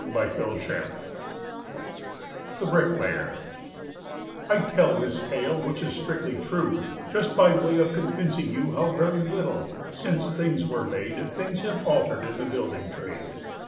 A Truthful Song THE BRICKLAYER:I tell this tale, which is strictly true, Just by way of convincing youHow very little, since things were made, Things have altered in the building trade.